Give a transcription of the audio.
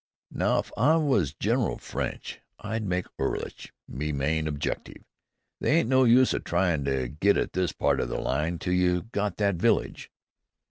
"Now, if I was General French, I'd make 'Ulluch me main objective. They ain't no use tryin' to get by at this part o' the line till you got that village."